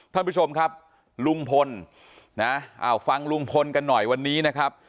ท่านผู้ชมครับลุงพลนะเอาฟังลุงพลกันหน่อยวันนี้นะครับ